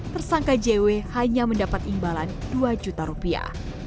tersangka jw hanya mendapat imbalan dua juta rupiah